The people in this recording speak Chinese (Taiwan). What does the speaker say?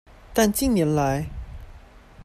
但近年來